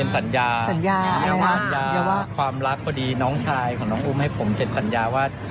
สัญญาความรักพอดีน้องชายของน้องอุ้มให้ผมเซ็นสัญญาว่า